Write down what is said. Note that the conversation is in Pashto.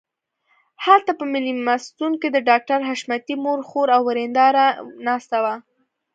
هلته په مېلمستون کې د ډاکټر حشمتي مور خور او ورېندار ناست وو